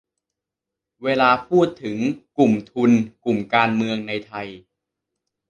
เวลาพูดถึง กลุ่มทุน กลุ่มการเมือง ในไทย